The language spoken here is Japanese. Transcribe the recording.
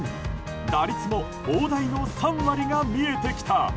打率も大台の３割が見えてきた。